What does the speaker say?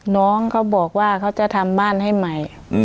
น้องเขาบอกว่าเขาจะทำบ้านให้ใหม่